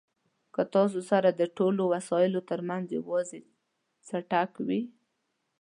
که ستاسو سره د ټولو وسایلو ترمنځ یوازې څټک وي.